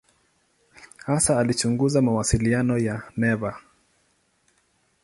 Hasa alichunguza mawasiliano ya neva.